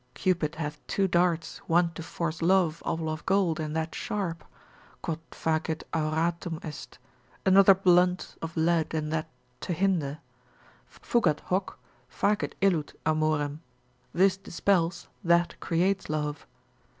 Cupid hath two darts, one to force love, all of gold, and that sharp,—Quod facit auratum est; another blunt, of lead, and that to hinder;—fugat hoc, facit illud amorem, this dispels, that creates love.